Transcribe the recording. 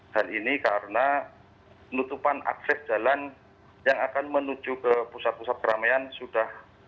hal ini karena penutupan akses jalan yang akan menuju ke pusat pusat keramaian sudah